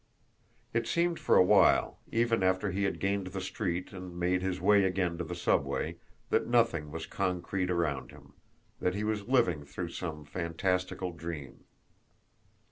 It seemed for a while, even after he had gained the street and made his way again to the subway, that nothing was concrete around him, that he was living through some fantastical dream.